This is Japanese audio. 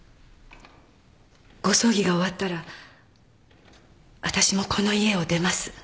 ご葬儀が終わったら私もこの家を出ます。